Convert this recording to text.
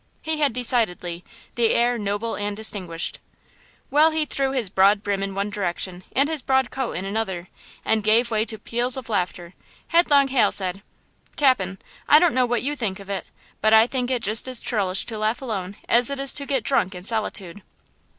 He had decidedly "the air noble and distinguished." While he threw his broad brim in one direction and his broad coat in another, and gave way to peals of laughter, Headlong Hal said: "Cap'n, I don't know what you think of it, but I think it just as churlish to laugh alone as to get drunk in solitude."